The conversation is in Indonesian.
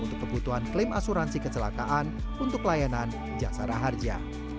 untuk kebutuhan klaim asuransi kecelakaan untuk layanan jasa raharja